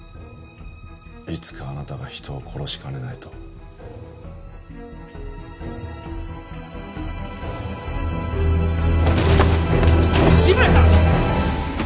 いつかあなたが人を殺しかねないと志村さん！